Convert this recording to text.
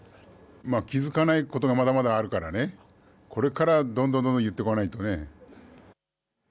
気付かないこともまだまだあるんでこれからどんどん言っておかないとね。